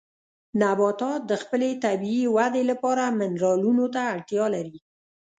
نباتات د خپلې طبیعي ودې لپاره منرالونو ته اړتیا لري.